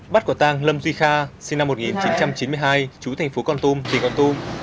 bắt quả tang lâm duy kha sinh năm một nghìn chín trăm chín mươi hai chú thành phố con tum tỉnh con tum